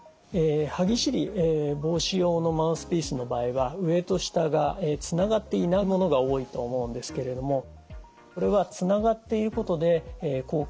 歯ぎしり防止用のマウスピースの場合は上と下がつながっていないものが多いと思うんですけれどもこれはつながっていることで効果を発揮します。